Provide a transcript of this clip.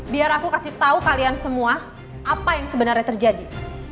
biar aku kasih tahu kalian semua apa yang sebenarnya terjadi